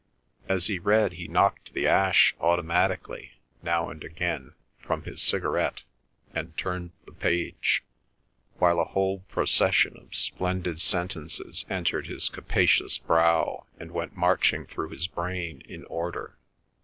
As he read he knocked the ash automatically, now and again, from his cigarette and turned the page, while a whole procession of splendid sentences entered his capacious brow and went marching through his brain in order.